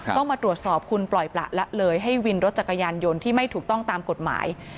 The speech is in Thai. ต้องมาตรวจสอบคุณปล่อยประละเลยให้วินรถจักรยานยนต์ที่ไม่ถูกต้องตามกฎหมาย